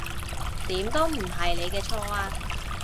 點都唔係你嘅錯呀